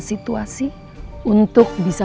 situasi untuk bisa